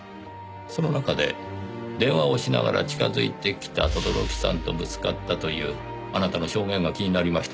その中で「電話をしながら近づいてきた轟さんとぶつかった」というあなたの証言が気になりましてね。